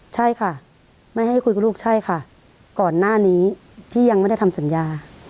ใช่ค่ะไม่ให้คุยกับลูกใช่ค่ะก่อนหน้านี้ที่ยังไม่ได้ทำสัญญา